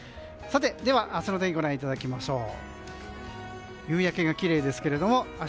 では明日の天気をご覧いただきましょう。